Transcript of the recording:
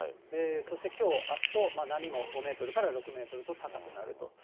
そしてきょう、あすと波も５メートルから６メートルと高くなると。